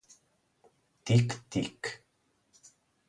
Tic, tic.